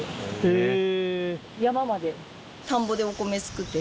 へえ！